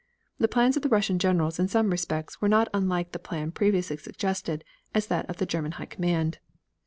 The plans of the Russian generals in some respects were not unlike the plan previously suggested as that of the German High Command.